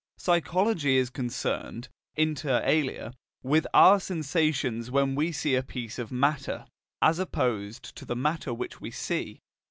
Psychology is concerned, inter alia, with our sensations when we see a piece of matter, as opposed to the matter which we see.